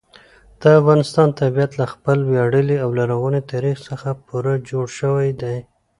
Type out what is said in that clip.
د افغانستان طبیعت له خپل ویاړلي او لرغوني تاریخ څخه پوره جوړ شوی دی.